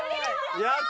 やった！